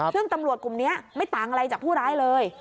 ซึ่งตำรวจกลุ่มนี้ไม่ต่างอะไรจากผู้ร้ายเลย